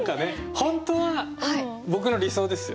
本当は僕の理想ですよ？